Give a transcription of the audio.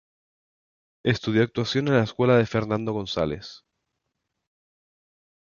Estudió actuación en la Escuela de Fernando González.